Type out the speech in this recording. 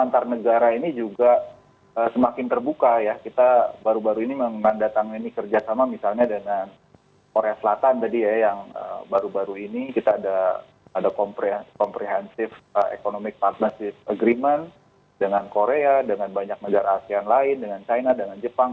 antar negara ini juga semakin terbuka ya kita baru baru ini menandatangani kerjasama misalnya dengan korea selatan tadi ya yang baru baru ini kita ada komprehensive economic partnership agreement dengan korea dengan banyak negara asean lain dengan china dengan jepang